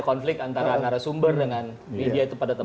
konflik antara narasumber dengan media itu pada tempatnya